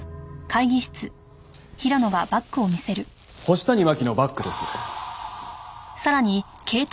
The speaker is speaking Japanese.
星谷真輝のバッグです。